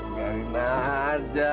gak rindah aja